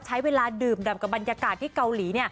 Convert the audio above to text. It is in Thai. ใช้เวลาดื่มดำกับบรรยากาศที่เกาหลี